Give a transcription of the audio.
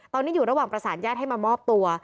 ตอนนี้อยู่ระหว่างประสานญาติให้มามอบตัว